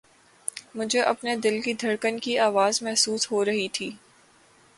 مجھے اپنے دل کی دھڑکن کی آواز محسوس ہو رہی تھی